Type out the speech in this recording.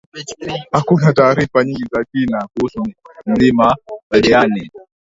hakuna taarifa nyingi za kina kuhusu Mlima Oldeani